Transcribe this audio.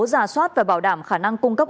ra soát và bảo đảm khả năng cung cấp